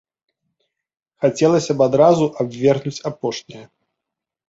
Хацелася б адразу абвергнуць апошняе.